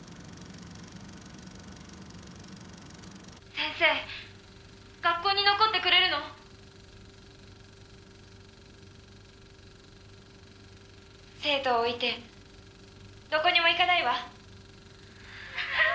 「先生学校に残ってくれるの？」「生徒を置いてどこにも行かないわ」